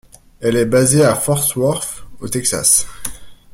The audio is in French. Elle est basée à Fort Worth au Texas.